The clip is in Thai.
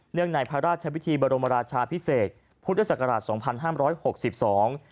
ในพระราชพิธีบรมราชาพิเศษพุทธศักราชสองพันห้ามร้อยหกสิบสอง